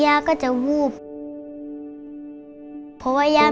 พี่น้องของหนูก็ช่วยย่าทำงานค่ะ